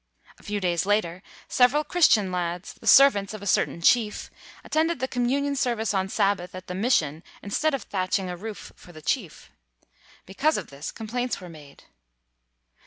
A few days later, several Christian lads, the servants of a cer tain chief, attended the communion service on Sabbath at the mission instead of thatch ing a roof for the chief. Because of this complaints were made.